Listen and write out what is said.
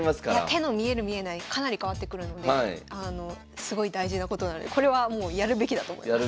手の見える見えないかなり変わってくるのですごい大事なことなのでこれはもうやるべきだと思います。